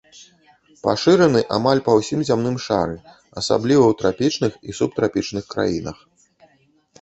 Пашыраны амаль па ўсім зямным шары, асабліва ў трапічных і субтрапічных краінах.